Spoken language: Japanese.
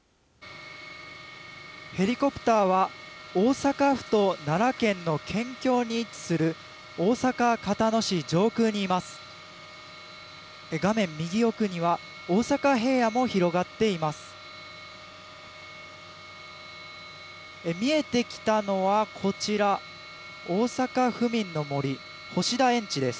ヘリコプターは大阪府と奈良県の県境に位置する大阪、交野市上空にいます。